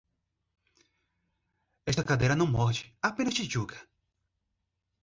Esta cadela não morde, apenas te julga